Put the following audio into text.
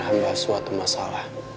hamba suatu masalah